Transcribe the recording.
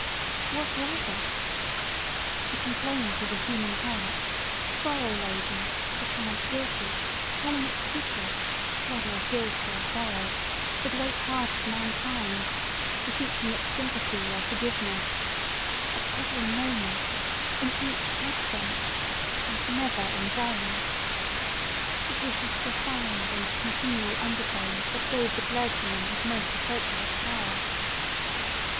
What was it? The complaint of a human heart, sorrow laden, perchance guilty, telling its secret, whether of guilt or sorrow, to the great heart of mankind; beseeching its sympathy or forgiveness,—at every moment,—in each accent,—and never in vain! It was this profound and continual undertone that gave the clergyman his most appropriate power.